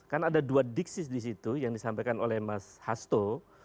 karena ada dua diksis disitu yang disampaikan oleh mas hasto